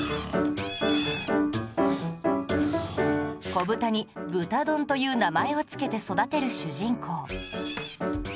子豚に「豚丼」という名前をつけて育てる主人公